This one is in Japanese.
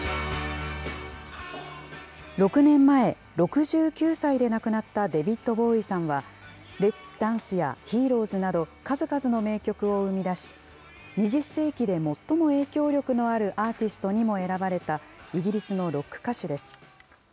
６年前、６９歳で亡くなったデビッド・ボウイさんはレッツ・ダンスやヒーローズなど、数々の名曲を生み出し、２０世紀で最も影響力のあるアーティストにも選ばれた、イギリスのロック歌手です。